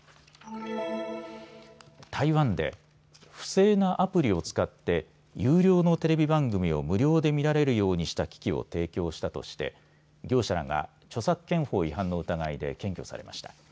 台湾で不正なアプリを使って有料のテレビ番組を無料で見られるようにした機器を提供したとして業者らが著作権法違反の疑いで検挙されました。